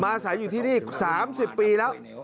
อาศัยอยู่ที่นี่๓๐ปีแล้ว